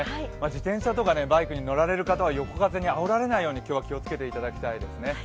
自転車とかバイクに乗られる方は横風にあおられないように、今日は気をつけていただきたいですね。